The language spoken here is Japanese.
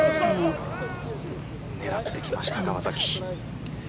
狙ってきました、川崎。